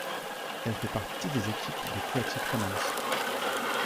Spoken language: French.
Elle fait partie des équipes de Creative Commons.